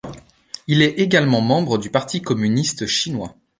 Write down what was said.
Il est également membre du Parti communiste chinois.